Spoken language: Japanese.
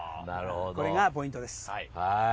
これがポイントです。